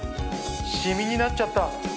染みになっちゃった。